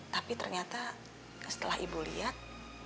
tapi ternyata setelah ibu lihat